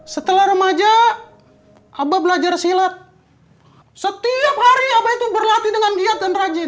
setelah remaja abah belajar silat setiap hari abah itu berlatih dengan giat dan rajin